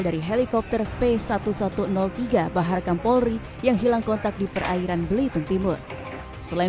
dari helikopter p seribu satu ratus tiga bahar kampolri yang hilang kontak di perairan belitung timur selain